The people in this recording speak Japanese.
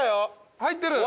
入ってる！